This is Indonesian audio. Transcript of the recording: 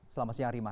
selamat siang rima